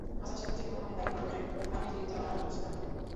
হাসান সাহেব নিজেকে মনে মনে দায়ী করে গ্রামে ফিরে যাওয়ার সিদ্ধান্ত নেন।